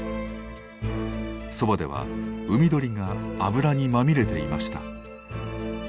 そばでは海鳥が油にまみれていました。